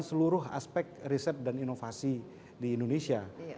seluruh aspek riset dan inovasi di indonesia